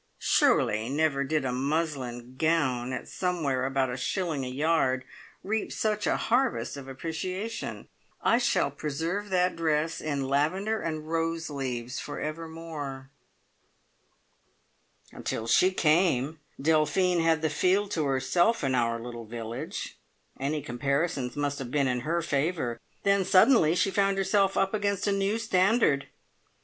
Surely never did a muslin gown at somewhere about a shilling a yard, reap such a harvest of appreciation. I shall preserve that dress in lavender and rose leaves for evermore. "Until She came, Delphine had the field to herself in our little village. Any comparisons must have been in her favour. Then suddenly she found herself up against a new standard.